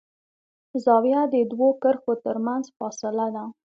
زاویه د دوو کرښو تر منځ فاصله ده.